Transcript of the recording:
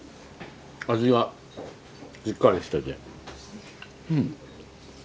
味がしっかりしててうん。